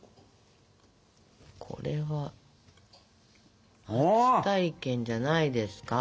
これは初体験じゃないですか？